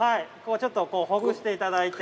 ちょっとこうほぐしていただいて。